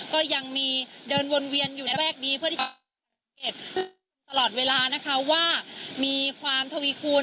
ก็ยังมีเดินวนเวียนอยู่ในแรกนี้เพื่อที่จะเก็บตลอดเวลานะคะว่ามีความทวีคูณ